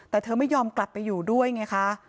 แต่เธอไม่ยอมกลับไปอยู่ด้วยไงคะ